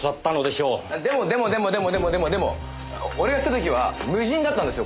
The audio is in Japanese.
でもでもでもでもでもでもでも俺が来た時は無人だったんですよ